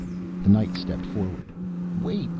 The Knights stepped forward. "Wait!"